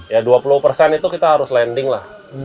ya dua puluh persen itu kita harus landing lah